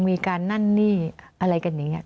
มีการนั่นนี่อะไรกันอย่างนี้